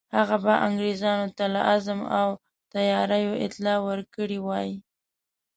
هغه به انګرېزانو ته له عزم او تیاریو اطلاع ورکړې وای.